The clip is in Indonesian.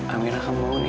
amira kamu bangun ya